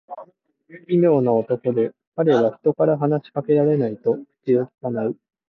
奇妙な男で、彼は人から話し掛けられないと口をきかない。